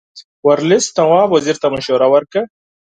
ورلسټ نواب وزیر ته مشوره ورکړه.